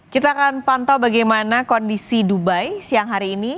kita akan pantau bagaimana kondisi dubai siang hari ini